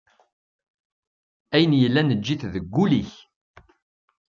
Ayen yellan eǧǧ-it deg ul-ik.